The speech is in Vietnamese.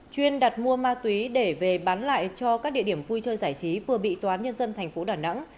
chuyên đặt mua ma túy để về bán lại cho các địa điểm vui chơi giải trí vừa bị toán nhân dân thành phố đà nẵng